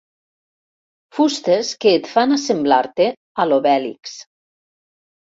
Fustes que et fan assemblar-te a l'Obèlix.